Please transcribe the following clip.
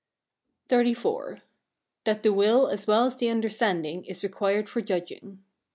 XXXIV. That the will as well as the understanding is required for judging.